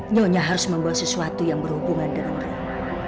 nyonya harus membawa sesuatu yang berhubungan dengan orang